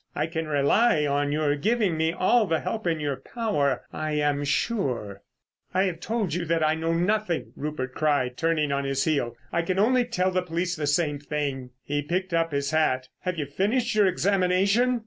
I can rely on your giving me all the help in your power, I am sure." "I have told you I know nothing," Rupert cried, turning on his heel. "I can only tell the police the same thing." He picked up his hat. "Have you finished your examination?"